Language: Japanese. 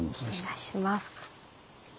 お願いします。